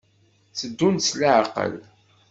Tteddunt s leɛqel.